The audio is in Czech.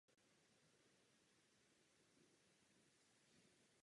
Domácí zápasy hraje většinou ve sportovní hale Bruntál.